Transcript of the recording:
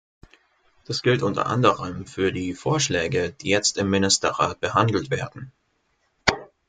Das gilt unter anderem für die Vorschläge, die jetzt im Ministerrat behandelt werden.